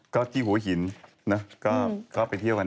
ก็ที่หัวหินนะก็ไปเที่ยวกัน